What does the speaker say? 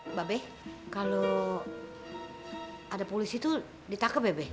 mbak be kalau ada polisi tuh ditangkep ya be